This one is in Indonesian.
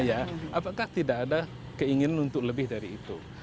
apakah tidak ada keinginan untuk lebih dari itu